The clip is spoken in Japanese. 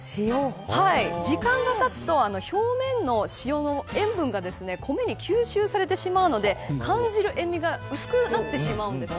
時間がたつと表面の塩の塩分が米に吸収されてしまうので感じる塩味が薄くなってしまうんです。